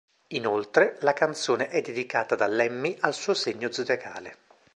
Inoltre, la canzone è dedicata da Lemmy al suo segno zodiacale.